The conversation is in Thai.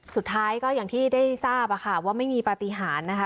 สุดท้ายก็อย่างที่ได้ทราบค่ะว่าไม่มีปฏิหารนะคะ